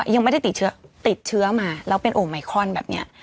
ยังไม่ได้ติดเชื้อติดเชื้อมาแล้วเป็นโอไมคอนแบบนี้